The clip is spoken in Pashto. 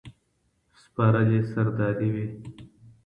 سپارلې سرداري وي